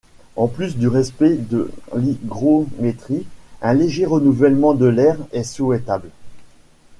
En plus du respect de l'hygrométrie, un léger renouvellement de l'air est souhaitable.